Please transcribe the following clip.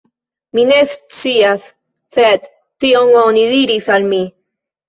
Mi ne scias, sed tion oni diris al mi.